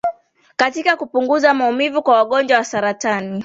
katika kupunguza maumivu kwa wagonjwa wa saratani